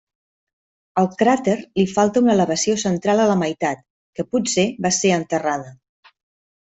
Al cràter li falta una elevació central a la meitat, que potser va ser enterrada.